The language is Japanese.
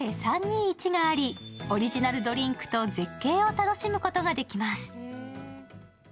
●３２１があり、オリジナルドリンクと絶景を楽しむことができます。